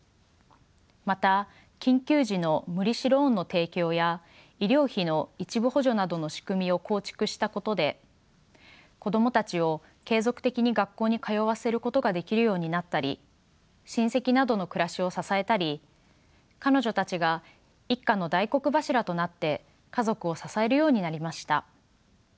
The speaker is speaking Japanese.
また緊急時の無利子ローンの提供や医療費の一部補助などの仕組みを構築したことで子供たちを継続的に学校に通わせることができるようになったり親戚などの暮らしを支えたり彼女たちが一家の大黒柱となって家族を支えるようになりました。